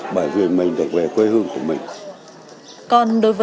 bởi vì mình được về quê hương của mình